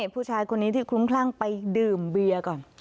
ผู้ชายคนนี้ที่คลุ้มคลั่งไปดื่มเบียร์ก่อน